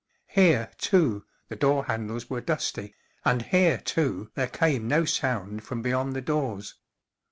Here, too, the door handles were dusty, and here, too, there came no sound from beyond the doors.